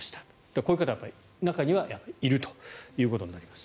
こういう方は、中にはやっぱりいるということになります。